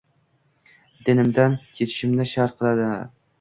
Dinimdan kechishimni shart qilinadi